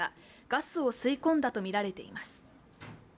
ガスを吸い込んだとみられています。